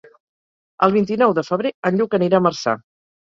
El vint-i-nou de febrer en Lluc anirà a Marçà.